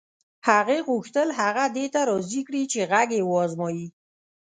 هغې غوښتل هغه دې ته راضي کړي چې غږ یې و ازمایي